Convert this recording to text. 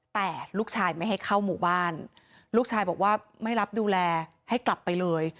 แต่ลูกชายไม่ให้เข้าหมู่บ้านลูกชายบอกว่าไม่รับดูแลให้กลับไปเลย